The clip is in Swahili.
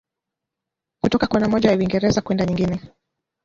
kutoka kona moja ya Uingereza kwenda nyingine